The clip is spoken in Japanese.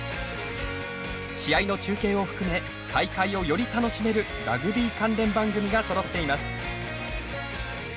試合の中継を含め大会をより楽しめるラグビー関連番組がそろっています。